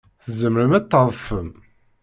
Tzemrem ad tadfem.